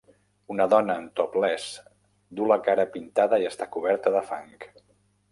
Una dona en topless du la cara pintada i està coberta de fang.